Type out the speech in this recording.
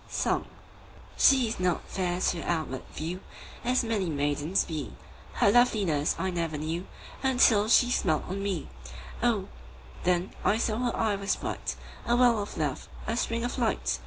Song SHE is not fair to outward view As many maidens be, Her loveliness I never knew Until she smiled on me; O, then I saw her eye was bright, 5 A well of love, a spring of light!